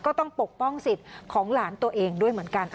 ต้องปกป้องสิทธิ์ของหลานตัวเองด้วยเหมือนกัน